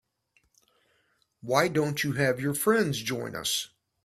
Why don't you have your friends join us?